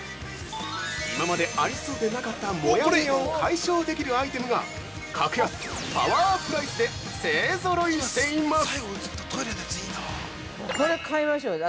今までありそうでなかったもやもやを解消できるアイテムが格安、パワープライスで勢ぞろいしています！